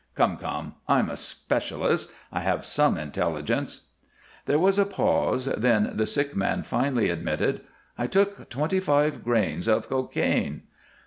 "Come, come! I'm a specialist; I have some intelligence." There was a pause, then the sick man finally admitted, "I took twenty five grains of cocaine."